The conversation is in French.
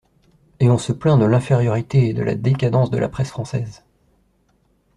Et on se plaint de l’infériorité… de la décadence de la presse française !…